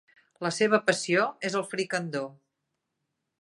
La seva passió és el fricandó.